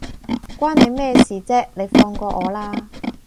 關你咩事啫，你放過我啦